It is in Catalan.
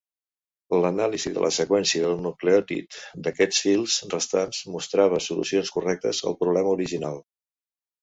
L'anàlisi de la seqüència de nucleòtid d'aquests fils restants mostrava solucions 'correctes' al problema original.